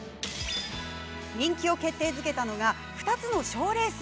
人気を決定づけたのが２つの賞レース。